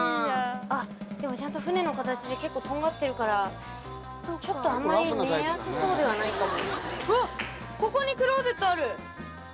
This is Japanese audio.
あっでもちゃんと船の形で結構とんがってるからちょっとあんまり寝やすそうではないかも。